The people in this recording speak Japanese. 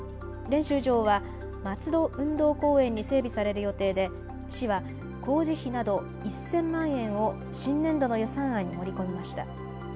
練習場は松戸運動公園に整備される予定で市は工事費など１０００万円を新年度の予算案に盛り込みました。